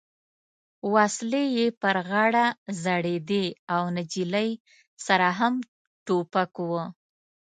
وسلې یې پر غاړه ځړېدې او نجلۍ سره هم ټوپک و.